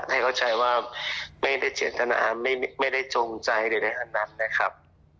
อยากให้เข้าใจว่าไม่ได้เฉียนธนาไม่ได้จงใจในหันนั้นนะครับ